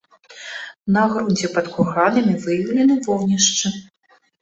На грунце пад курганамі выяўлены вогнішчы.